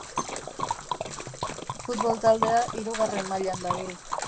Futbol taldea Hirugarren Mailan dabil.